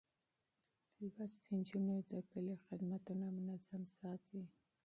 لوستې نجونې د کلي خدمتونه منظم ساتي.